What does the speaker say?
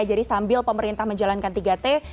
jadi sambil pemerintah menjalankan tiga t